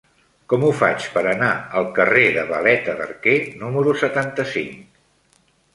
Com ho faig per anar al carrer de Valeta d'Arquer número setanta-cinc?